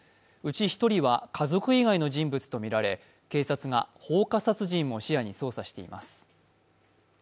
うち１人は家族以外の人物とみられ警察が放火殺人も視野に捜査しています。